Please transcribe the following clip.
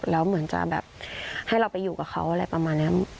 แล้วเหมือนจะแบบให้เราไปอยู่กับเขาอะไรประมาณนี้